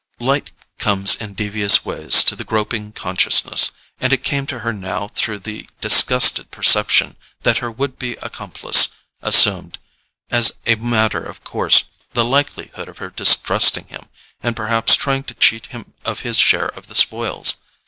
Light comes in devious ways to the groping consciousness, and it came to her now through the disgusted perception that her would be accomplice assumed, as a matter of course, the likelihood of her distrusting him and perhaps trying to cheat him of his share of the spoils.